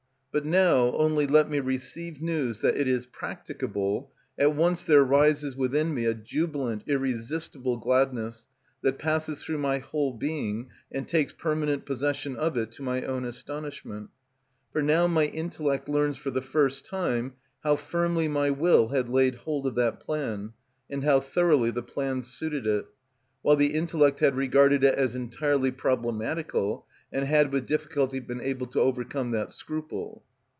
But now only let me receive news that it is practicable, at once there rises within me a jubilant, irresistible gladness, that passes through my whole being and takes permanent possession of it, to my own astonishment. For now my intellect learns for the first time how firmly my will had laid hold of that plan, and how thoroughly the plan suited it, while the intellect had regarded it as entirely problematical, and had with difficulty been able to overcome that scruple.